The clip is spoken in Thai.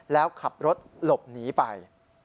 แล้วขับรถหลบหนีไป